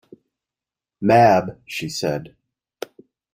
Mab, she said.